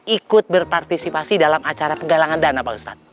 ikut berpartisipasi dalam acara penggalangan dana pak ustadz